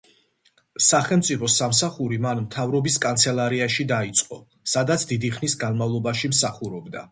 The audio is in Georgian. სახელმწიფო სამსახური მან მთავრობის კანცელარიაში დაიწყო, სადაც დიდი ხნის განმავლობაში მსახურობდა.